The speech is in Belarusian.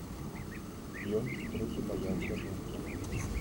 Ён трохі баяўся жонкі.